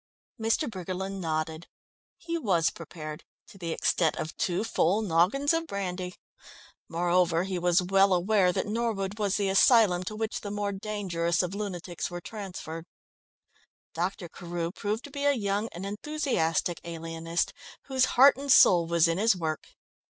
Mr. Briggerland nodded. He was prepared to the extent of two full noggins of brandy. Moreover, he was well aware that Norwood was the asylum to which the more dangerous of lunatics were transferred. Dr. Carew proved to be a young and enthusiastic alienist whose heart and soul was in his work.